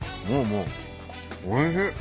もうおいしい！